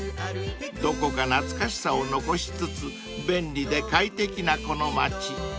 ［どこか懐かしさを残しつつ便利で快適なこの街］